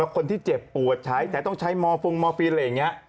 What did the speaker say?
คนที่เจ็บปวดใช้แต่ต้องใช้มอร์ฟงมอร์ฟินอะไรอย่างนี้